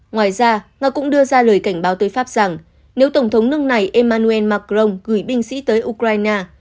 ngoài ra nga cũng đưa ra lời cảnh báo tới pháp rằng nếu tổng thống nước này emmanuel macron gửi binh sĩ tới ukraine